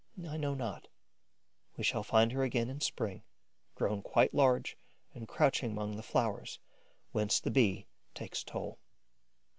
I know not. We shall find her again in spring, grown quite large and crouching among the flowers whence the Bee takes toll.